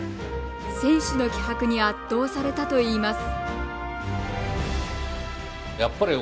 選手の気迫に圧倒されたといいます。